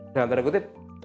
dengan tanda kutip